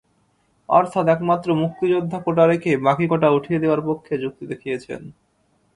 অর্থাৎ একমাত্র মুক্তিযোদ্ধা কোটা রেখে বাকি কোটা উঠিয়ে দেওয়ার পক্ষে যুক্তি দেখিয়েছেন।